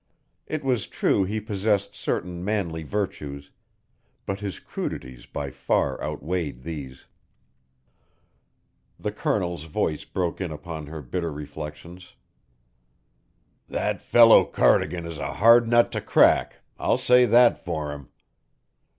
It was true he possessed certain manly virtues, but his crudities by far outweighed these. The Colonel's voice broke in upon her bitter reflections. "That fellow Cardigan is a hard nut to crack I'll say that for him."